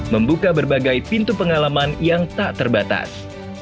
membuka berbagai pintu pengalaman yang tak terbatas